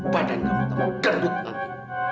badan kamu mau gendut lagi